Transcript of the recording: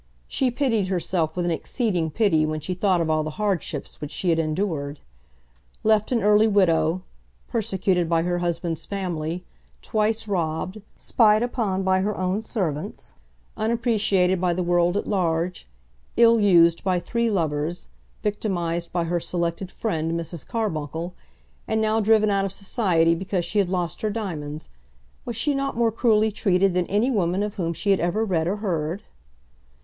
She pitied herself with an exceeding pity when she thought of all the hardships which she had endured. Left an early widow, persecuted by her husband's family, twice robbed, spied upon by her own servants, unappreciated by the world at large, ill used by three lovers, victimised by her selected friend, Mrs. Carbuncle, and now driven out of society because she had lost her diamonds, was she not more cruelly treated than any woman of whom she had ever read or heard?